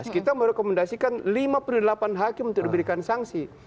dua ribu tujuh belas kita merekomendasikan lima puluh delapan hakim untuk diberikan sanksi